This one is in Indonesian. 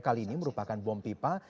kali ini merupakan bom pipa